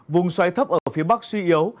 vùng xoáy thấp ở phía bắc suy yếu